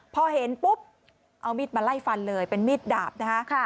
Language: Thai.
พอเห็นปุ๊บเอามีดมาไล่ฟันเลยเป็นมีดดาบนะคะ